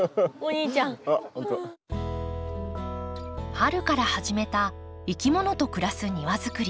春から始めたいきものと暮らす庭作り。